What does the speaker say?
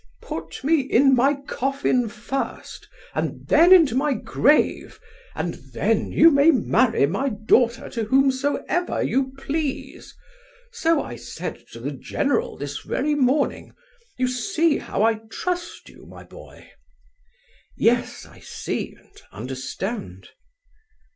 'Put me in my coffin first and then into my grave, and then you may marry my daughter to whomsoever you please,' so I said to the general this very morning. You see how I trust you, my boy." "Yes, I see and understand."